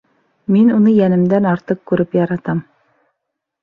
Мин уны йәнемдән артыҡ күреп яратам!